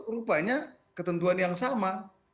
rupanya ketentuan yang sama